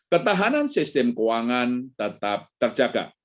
ketahanan sistem keuangan tetap terjaga